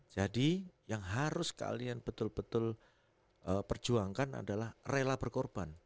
jadi yang harus kalian betul betul perjuangkan adalah rela berkorban